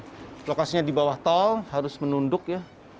dan lokasinya di bawah tol harus menunduk ya